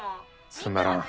つまらん。